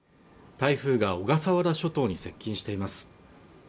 台風が小笠原諸島に接近しています